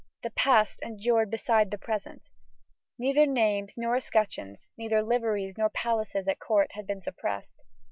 The past endured beside the present. Neither names nor escutcheons, neither liveries nor places at court, had been suppressed.